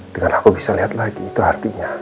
dengan aku bisa lihat lagi itu artinya